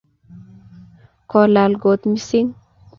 Kolal kot mising